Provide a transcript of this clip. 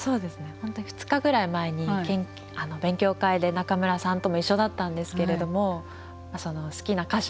本当に２日ぐらい前に勉強会で仲邑さんとも一緒だったんですけれども好きな歌手の話。